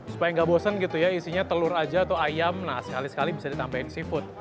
supaya nggak bosen gitu ya isinya telur aja atau ayam nah sekali sekali bisa ditampein seafood